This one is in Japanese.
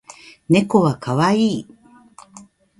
猫は可愛い